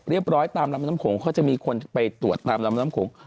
เรียบร้อยตามแรมน้ำโขงเขาจะมีคนไปตรวจตามแรมน้ำโขง